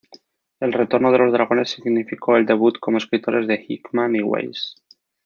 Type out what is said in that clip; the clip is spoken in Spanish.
El retorno de los dragones significó el debut como escritores de Hickman y Weis.